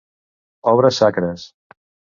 Obres sacres.